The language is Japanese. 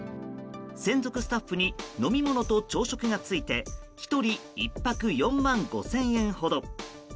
専属スタッフに飲み物と朝食がついて１人１泊４万５０００円ほど。